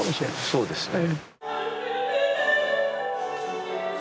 そうですね。